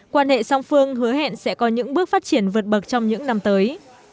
hóa song phương hứa hẹn sẽ có những bước phát triển vượt bậc trong những năm tới